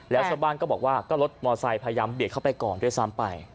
แล้วชาวบ้านก็บอกว่าก็รถมอไซค์พยายามเบียดเข้าไปก่อนด้วยซ้ำไป